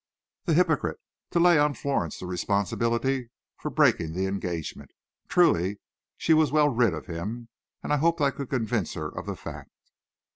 The hypocrite! To lay on Florence the responsibility for breaking the engagement. Truly, she was well rid of him, and I hoped I could convince her of the fact.